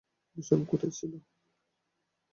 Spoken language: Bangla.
বিষন কোথায় ছিল?